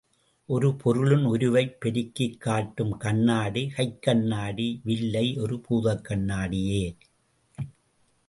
ஒரு பொருளின் உருவைப் பெருக்கிக் காட்டும் கண்ணாடி கைக்கண்ணாடி வில்லை ஒரு பூதக்கண்ணாடியே.